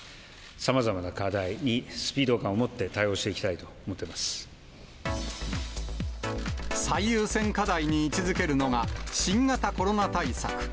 さまざまな課題にスピード感を持って対応していきたいと思ってま最優先課題に位置づけるのが、新型コロナ対策。